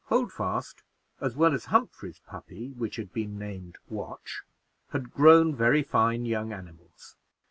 Holdfast, as well as Humphrey's puppy, which had been named Watch, had grown very fine young animals.